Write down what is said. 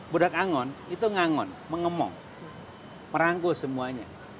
budak angon itu ngangon mengemong merangkul semuanya